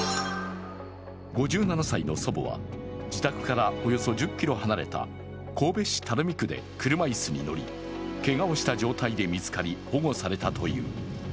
５７歳の祖母は、自宅からおよそ１０ｋｍ離れた神戸市垂水区で車椅子に乗りけがをした状態で見つかり、保護されたという。